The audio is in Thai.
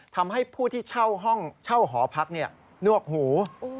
ทำให้ผู้ที่เช่าห้องเช่าหอพักนวกหู